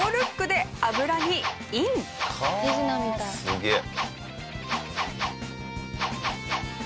すげえ。